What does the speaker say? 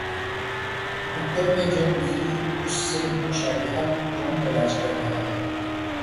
بھٹو پہ جو گزری اس سے مشابہت کون تلاش کر رہا ہے؟